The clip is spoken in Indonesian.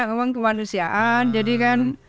ngomong kemanusiaan jadi kan